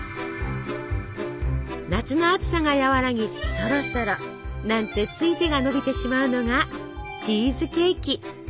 夏の暑さが和らぎ「そろそろ」なんてつい手がのびてしまうのがチーズケーキ。